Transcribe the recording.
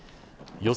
予想